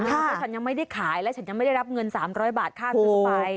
เพราะฉันยังไม่ได้ขายแล้วฉันยังไม่ได้รับเงิน๓๐๐บาทค่าซื้อไป